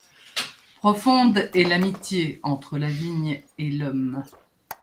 Profonde est l'amitié entre la vigne et l'homme.